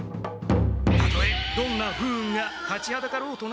たとえどんな不運が立ちはだかろうとな。